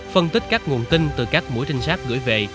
phân tích các nguồn tin từ các mũi trinh sát gửi về